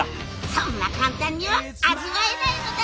そんな簡単には味わえないのだ！